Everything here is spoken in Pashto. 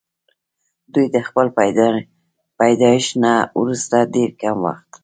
دوي د خپل پيدائش نه وروستو ډېر کم وخت